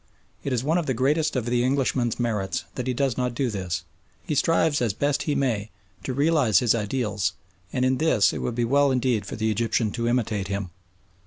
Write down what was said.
It is one of the greatest of the Englishman's merits that he does not do this. He strives as best he may to realise his ideals, and in this it would be well indeed for the Egyptian to imitate him.